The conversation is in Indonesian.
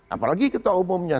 apalagi ketua umumnya